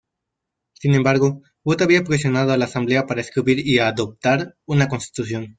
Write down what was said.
Sin embargo, Wood había presionado a la Asamblea para escribir y "adoptar" una constitución.